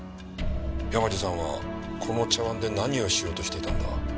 山路さんはこの茶碗で何をしようとしていたんだ？